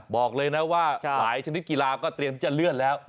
บอกเลยนะว่าหลายชนิดกีฬาก็เตรียมที่จะเลื่อนแล้ว